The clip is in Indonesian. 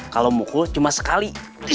kalau mukul cuma sekali